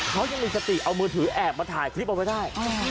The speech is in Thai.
เขายังมีสติเอามือถือแอบมาถ่ายคลิปเอาไว้ได้